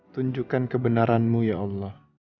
tunjukkan kebenaranmu ya allah